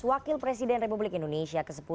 wakil presiden republik indonesia ke sepuluh